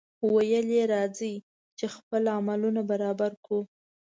ویل یې راځئ! چې خپل عملونه برابر کړو.